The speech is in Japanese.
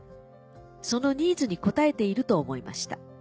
そのニーズに応えていると思いました。